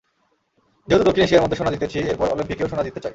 যেহেতু দক্ষিণ এশিয়ার মধ্যে সোনা জিতেছি, এরপর অলিম্পিকেও সোনা জিততে চাই।